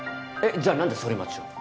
じゃあ何でソリマチを？